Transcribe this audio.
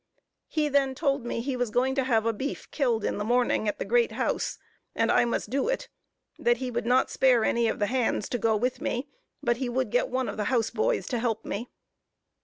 He then told me he was going to have a beef killed in the morning at the great house, and I must do it that he would not spare any of the hands to go with me, but he would get one of the house boys to help me.